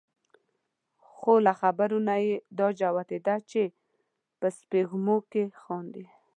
خو له خبرو نه یې را جوتېده چې په سپېږمو کې خاندي.